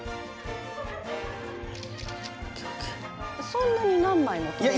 そんなに何枚も撮る？